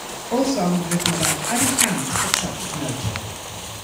All songs written by Adam Ant except as noted.